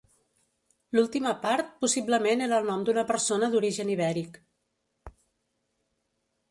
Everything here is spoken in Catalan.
L'última part, possiblement era el nom d'una persona d'origen ibèric.